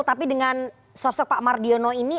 tapi dengan sosok pak mardiono ini